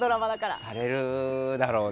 されるだろうね。